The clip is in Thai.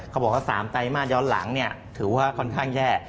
เขาบอกว่า๓ไตรมาสย้อนหลังถือว่าค่อนข้างแย่